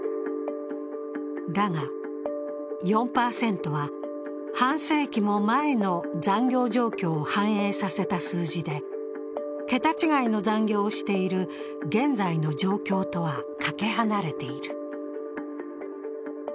だが、４％は半世紀も前の残業状況を反映させた数字で桁違いの残業をしている現在の状況とはかけ離れている。